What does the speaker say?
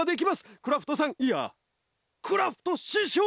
クラフトさんいやクラフトししょう！